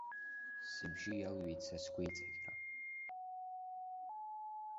Сыбжьы иалҩит са сгәеиҵақьра.